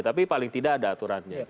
tapi paling tidak ada aturannya